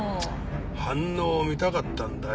反応を見たかったんだよ。